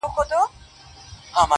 گراني چي ستا سره خبـري كوم,